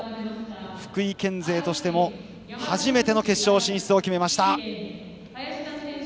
福井県勢としても初めての決勝進出を決めました。